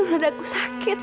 aduh dada aku sakit